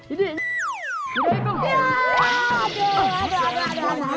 aduh aduh aduh aduh